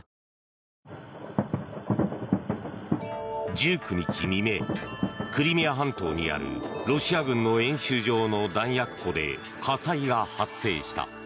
１９日未明クリミア半島にあるロシア軍の演習場の弾薬庫で火災が発生した。